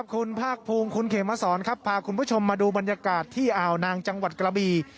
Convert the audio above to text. คุณภาคภูมิคุณเขมสอนครับพาคุณผู้ชมมาดูบรรยากาศที่อ่าวนางจังหวัดกระบี